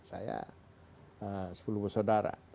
saya sepuluh besodara